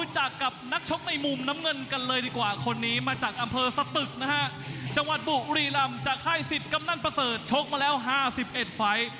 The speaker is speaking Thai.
จากค่ายสิทธิ์กำนันประเสริฐชกมาแล้ว๕๑ไฟ